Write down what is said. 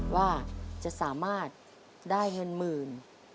ว่าจะสามารถได้เงินหมื่น